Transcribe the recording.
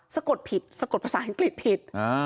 สะกดผิดสะกดภาษาอังกฤษผิด